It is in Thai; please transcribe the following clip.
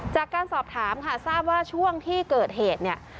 จากการสอบถามค่ะทราบว่าช่วงที่เกิดเหตุเนี่ย